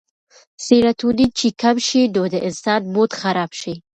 سيراټونين چې کم شي نو د انسان موډ خراب شي